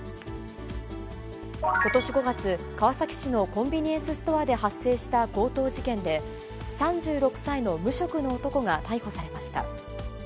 ことし５月、川崎市のコンビニエンスストアで発生した強盗事件で、３６歳の無職の男が逮捕されました。